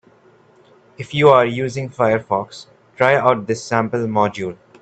If you are using Firefox, try out this sample module.